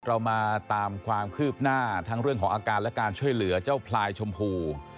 เรามาตามความคืบหน้าทั้งเรื่องของอาการและการช่วยเหลือเจ้าพลายชมพู